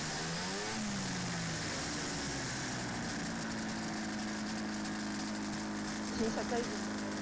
大手流通グループの入社式に参加した新入社員は。